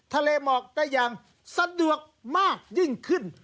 ทะเลหมอกได้อย่างสะดวกมากยิ่งขึ้น